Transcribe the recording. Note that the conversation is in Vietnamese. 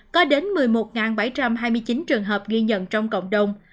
có đến một mươi một bảy trăm hai mươi chín trường hợp ghi nhận trong cộng đồng